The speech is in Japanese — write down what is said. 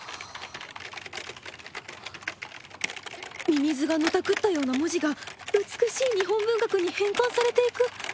ミミズがのたくったような文字が美しい日本文学に変換されていく！